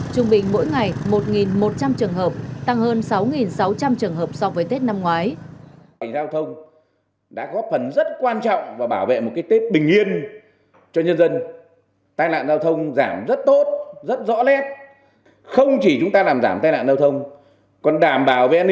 trung bình mỗi ngày một một trăm linh trường hợp tăng hơn sáu sáu trăm linh trường hợp so với tết năm ngoái